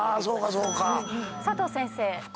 佐藤先生。